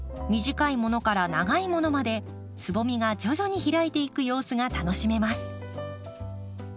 短いものから長いものまでつぼみが徐々に開いていく様子が楽しめます。